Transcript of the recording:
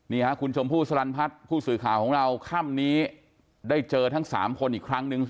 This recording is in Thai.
นี่ค่ะคุณชมพู่สลันพัฒน์ผู้สื่อข่าวของเราค่ำนี้ได้เจอทั้ง๓คนอีกครั้งหนึ่ง